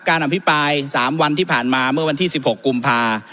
การอภิปรายสามวันที่ผ่านมาเมื่อวันที่สิบหกกุมภาคม